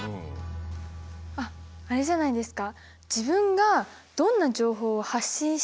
あっあれじゃないですか？